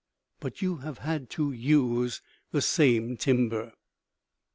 But you have had to use the same timber!